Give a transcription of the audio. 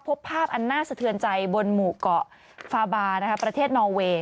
พบภาพอันน่าสะเทือนใจบนหมู่เกาะฟาบาประเทศนอเวย์